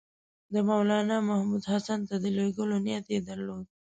د مولنامحمود حسن ته د لېږلو نیت یې درلود.